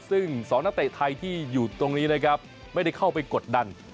ซึ่ง๒นักเตะไทยที่อยู่ตรงนี้นะครับไม่ได้เข้าไปกดดัน